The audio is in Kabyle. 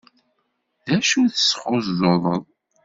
D acu tesxuẓẓuḍeḍ?